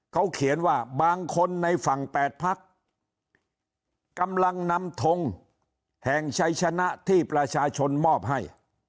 เขาเขียนว่าบางคนในฝั่ง๘พักกำลังนำทงแห่งชัยชนะที่ประชาชนมอบให้